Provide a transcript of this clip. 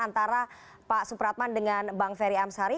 antara pak supratman dengan bang ferry amsari